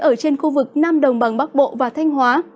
ở trên khu vực nam đồng bằng bắc bộ và thanh hóa